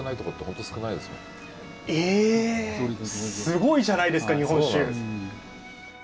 すごいじゃないですか日本酒。